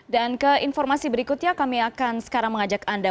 dan ke informasi berikutnya kami akan sekarang mengajak anda